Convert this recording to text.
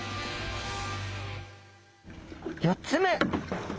４つ目。